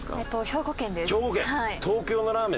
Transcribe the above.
兵庫県です。